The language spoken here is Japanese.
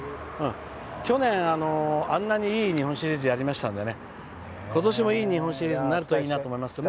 去年、あんなにいい日本シリーズやりましたんでね今年もいい日本シリーズになるといいなと思いますね。